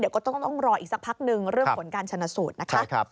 เดี๋ยวก็ต้องรออีกสักพักนึงเรื่องผลการชนะสูตรนะคะ